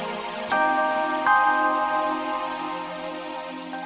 sampai jumpa di video selanjutnya